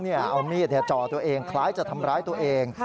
เอามีดจ่อตัวเองคล้ายจะทำร้ายตัวเอง